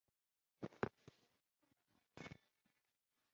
行编辑器只能从事最基本的文本输入与输出。